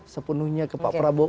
sepenuhnya ke pak prabowo